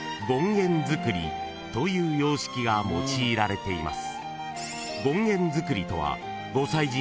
［という様式が用いられています］